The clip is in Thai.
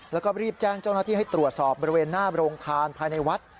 แล้วก็รีบแจ้งเจ้าหน้าที่ให้ตรวจสอบบริเวณหน้าโรงทานภายในวัด